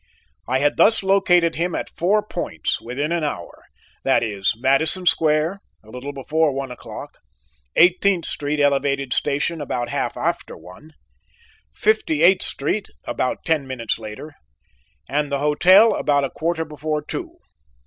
I had thus located him at four points within an hour, that is Madison Square, a little before one o'clock; Eighteenth Street elevated station about half after one; Fifty eighth Street, about ten minutes later, and at the hotel about a quarter before two.